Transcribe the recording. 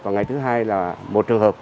và ngày thứ hai là một trường hợp